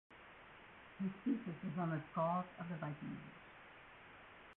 His thesis was on the skalds of the Viking Age.